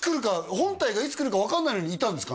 本隊がいつ来るか分かんないのにいたんですか？